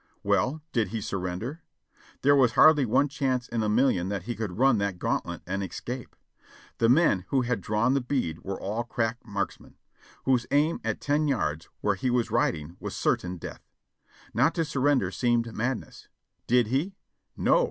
Well! did he surrender? There was hardly one chance in a million that he could run that gauntlet and escape. The men who had drawn the bead were all crack marksmen, whose aim at ten yards, where he was riding, was certain death. Not to sur render seemed madness. Did he? No!